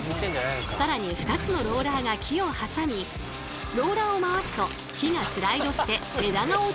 更に２つのローラーが木を挟みローラーを回すと木がスライドして枝が落ちるという仕組み。